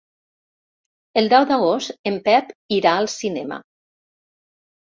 El deu d'agost en Pep irà al cinema.